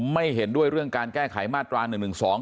ไม่เห็นด้วยเรื่องการแก้ไขมาตราหนึ่งหนึ่งสอง